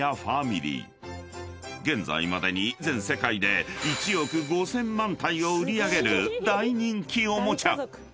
［現在までに全世界で１億５，０００万体を売り上げる大人気おもちゃ］